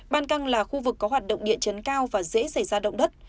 ban căng là khu vực có hoạt động địa chấn cao và dễ xảy ra động đất